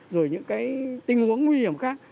rồi những tình huống nguy hiểm khác